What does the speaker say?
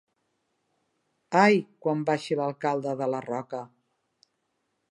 Ai!, quan baixi l'alcalde de la Roca!